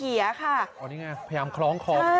อันนี้ไงพยายามคล้องคอ